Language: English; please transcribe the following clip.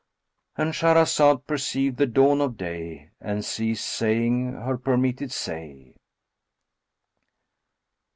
"—And Shahrazad perceived the dawn of day and ceased saying her permitted say.